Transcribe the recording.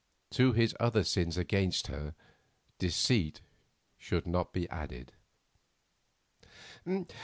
To his other sins against her deceit should not be added.